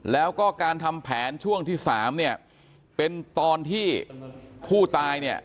แล้วก็การทำแผนช่วงที่สามเนี่ยเป็นตอนที่ผู้ตายเนี่ย